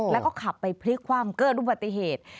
แล้วก็ขับไปพลิกความเกิดรูปปฏิเหตุ